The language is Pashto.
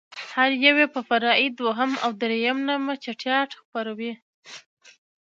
هر يو يې په فرعي دوهم او درېم نامه چټياټ خپروي.